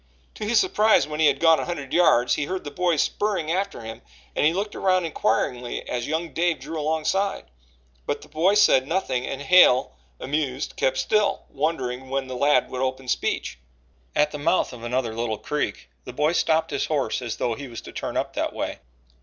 To his surprise, when he had gone a hundred yards, he heard the boy spurring after him and he looked around inquiringly as young Dave drew alongside; but the boy said nothing and Hale, amused, kept still, wondering when the lad would open speech. At the mouth of another little creek the boy stopped his horse as though he was to turn up that way.